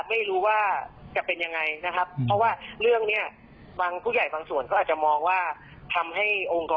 ไม่รู้เอาเรื่องอุทิพลนะครับ